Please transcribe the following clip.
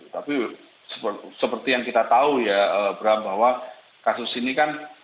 tapi seperti yang kita tahu ya bram bahwa kasus ini kan